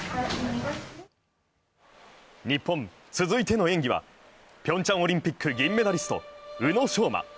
日本、続いての演技はピョンチャンオリンピック銀メダリスト、宇野昌磨。